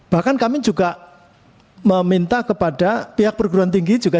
bahkan kami juga meminta kepada pihak perguruan tinggi juga